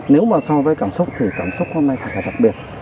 nếu mà so với cảm xúc thì cảm xúc hôm nay thật là đặc biệt